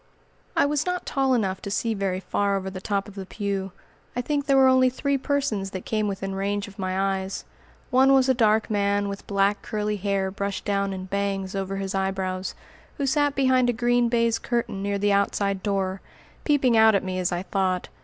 I was not tall enough to see very far over the top of the pew. I think there were only three persons that came within range of my eyes. One was a dark man with black curly hair brushed down in "bangs" over his eyebrows, who sat behind a green baize curtain near the outside door, peeping out at me, as I thought.